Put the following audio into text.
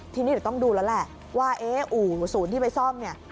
ทีนี้เดี๋ยวต้องดูแล้วแหละว่าเอ๊ะอู่ศูนย์ที่ไปซ่อมเนี่ย